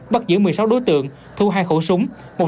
bắt giữ một mươi sáu đối tượng thu hai khẩu súng